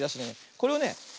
これをね